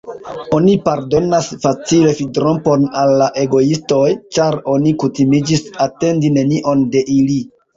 Oni pardonas facile fidrompon al la egoistoj, ĉar oni kutimiĝis atendi nenion de ili.